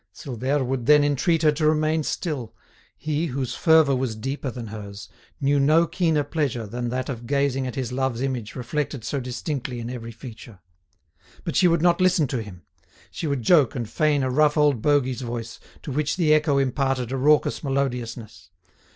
Silvère would then entreat her to remain still; he, whose fervour was deeper than hers, knew no keener pleasure than that of gazing at his love's image reflected so distinctly in every feature. But she would not listen to him; she would joke and feign a rough old bogey's voice, to which the echo imparted a raucous melodiousness.